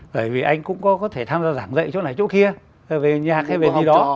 bởi vì anh cũng có thể tham gia giảng dạy chỗ này chỗ kia về nhạc hay về gì đó